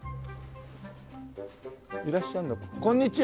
いらっしゃるのかこんにちは。